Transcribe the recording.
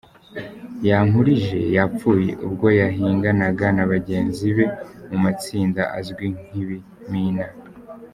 Yankurije yapfuye ubwo yahinganaga na bagenzi be mu matsinda azwi nk’ibimina.